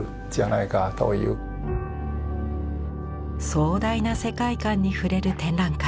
壮大な世界観に触れる展覧会。